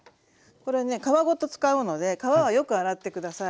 これね皮ごと使うので皮はよく洗って下さい。